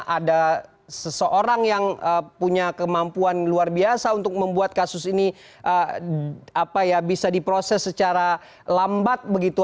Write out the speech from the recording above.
ada seseorang yang punya kemampuan luar biasa untuk membuat kasus ini bisa diproses secara lambat begitu